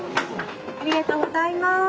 ありがとうございます。